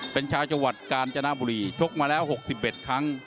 เป็นชาวจังหวัดกาญจนบุรีชกมาแล้ว๖๑ครั้ง